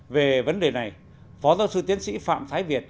về vấn đề này phó giáo sư tiến sĩ phạm thái việt